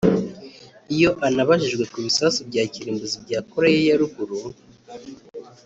Iyo anabajijwe ku bisasu bya kirimbuzi bya Koreya ya Ruguru